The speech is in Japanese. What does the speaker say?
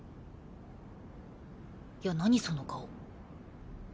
いや何その顔。